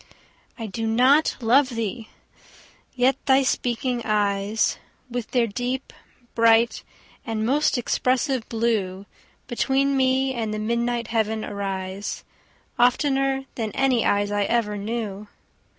I do not love thee!—yet thy speaking eyes, With their deep, bright, and most expressive blue, Between me and the midnight heaven arise, 15 Oftener than any eyes I ever knew.